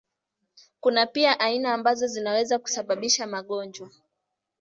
Kuna pia aina ambazo zinaweza kusababisha magonjwa.